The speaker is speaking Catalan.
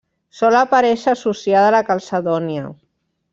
Sol aparèixer associada a la calcedònia.